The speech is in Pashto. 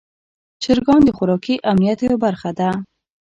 چرګان د خوراکي امنیت یوه برخه دي.